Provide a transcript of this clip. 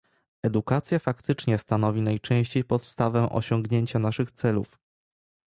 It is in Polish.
Edukacja faktycznie stanowi najczęściej podstawę osiągnięcia naszych celów